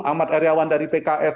ahmad aryawan dari pks